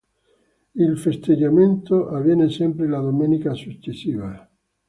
Il festeggiamento avviene sempre la domenica successiva.